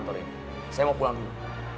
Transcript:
saya mau pulang dulu